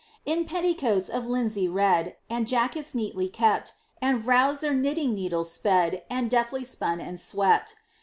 In petticoats of linsey red, And jackets neatly kept, The vrouws their knitting needles sped And deftly spun and swept.